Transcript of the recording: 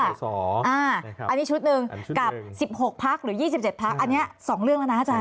อันนี้ชุดหนึ่งกับ๑๖พักหรือ๒๗พักอันนี้๒เรื่องแล้วนะอาจาร